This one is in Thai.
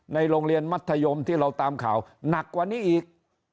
โรงเรียนมัธยมที่เราตามข่าวหนักกว่านี้อีก